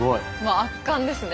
圧巻ですね。